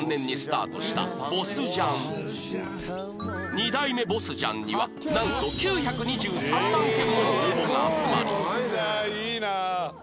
２代目ボスジャンにはなんと９２３万件もの応募が集まり